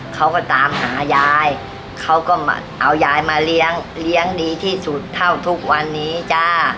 เขาก็ตามหายายเขาก็มาเอายายมาเลี้ยงเลี้ยงดีที่สุดเท่าทุกวันนี้จ้า